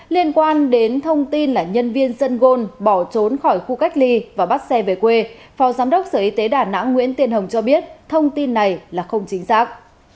liên quan đến thông tin là nhân viên sân gôn bỏ trốn khỏi khu cách ly và bắt xe về quê phó giám đốc sở y tế đà nẵng nguyễn tiên hồng cho biết thông tin này là không chính xác